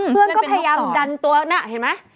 เพื่อนก็พยายามดันตัวน่ะเห็นไหม